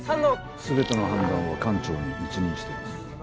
全ての判断は艦長に一任しています。